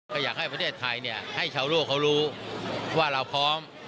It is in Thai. จะอยากให้ประเทศไทยเนี่ยให้ชาวโลกรู้ว่าเราพร้อม